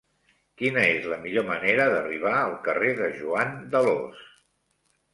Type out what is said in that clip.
Quina és la millor manera d'arribar al carrer de Joan d'Alòs?